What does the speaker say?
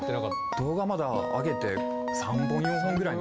動画まだ上げて３本４本ぐらいの。